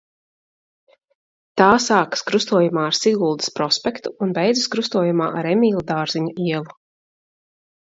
Tā sākas krustojumā ar Siguldas prospektu un beidzas krustojumā ar Emīla Dārziņa ielu.